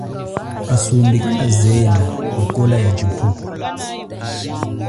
Kasumbi kanazela ikola ya chipupu.